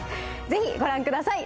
ぜひご覧ください